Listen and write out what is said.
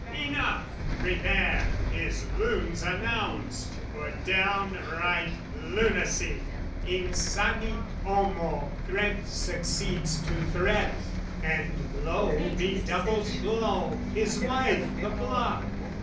Enough! Prepare, His lunes announced, for downright lunacy! Insanit homo, threat succeeds to threat, And blow redoubles blow, his wife, the block.